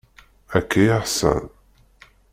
Akka i ḥṣan.